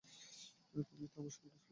তুমিই তো আমার সর্বনাশ করিয়াছ।